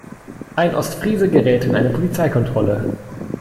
Ein Ostfriese gerät in eine Polizeikontrolle.